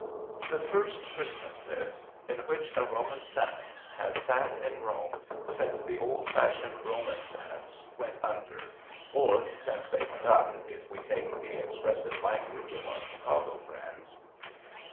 The first Christmas this in which a Roman Senate has sat in Rome since the old fashioned Roman Senates went under, or since they "went up," if we take the expressive language of our Chicago friends.